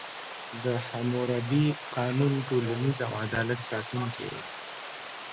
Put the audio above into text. د حموربي قانون ټولنیز او عدالت ساتونکی و.